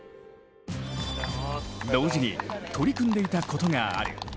同時に取り組んでいたことがある。